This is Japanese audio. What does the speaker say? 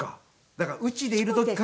だから家でいる時から。